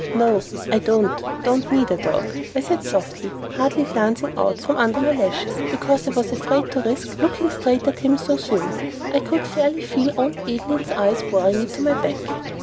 "No, I don't don't need any dog," I said softly, hardly glancing out from under my lashes, because I was afraid to risk looking straight at him again so soon. I could fairly feel Aunt Adeline's eyes boring into my back.